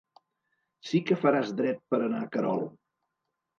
Sí que faràs dret per anar a Querol!